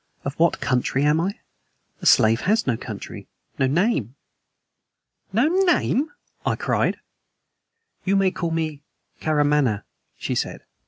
"Of what country am I? A slave has no country, no name." "No name!" I cried. "You may call me Karamaneh," she said.